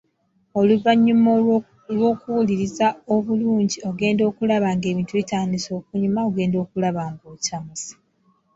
Oluvannyuma lw’okuwuliriza obulungi ogenda okulaba ng’ebintu bitandise okunyuma, ogenda okulaba ng’okyamuse.